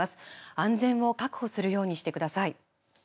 安全を確保するようにしてください。